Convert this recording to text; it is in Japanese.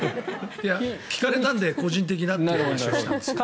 聞かれたので個人的なという話をしたんですよね。